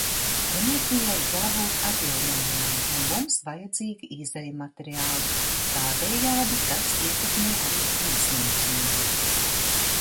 Enerģijai jābūt atjaunojamai, un mums vajadzīgi izejmateriāli, tādējādi tas ietekmē arī tirdzniecību.